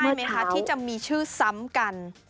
มันเป็นไปได้ไหมคะที่จะมีชื่อซ้ำกัน